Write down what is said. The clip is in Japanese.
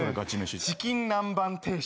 チキン南蛮定食。